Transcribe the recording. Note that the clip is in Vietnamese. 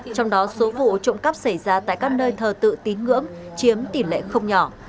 trong đó số vụ trộm cắp xảy ra tại các nơi thờ tự tín ngưỡng chiếm tỷ lệ không nhỏ